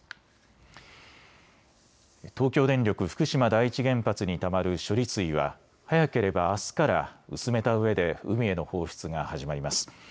東京電力福島第一原発にたまる処理水は早ければ、あすから薄めたうえで海への放出が始まります。